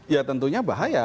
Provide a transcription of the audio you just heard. ya tentunya bahaya